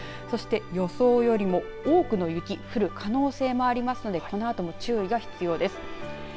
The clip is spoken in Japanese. そして、予想よりも多くの雪が降る可能性もありますのでこのあとも注意が必要です。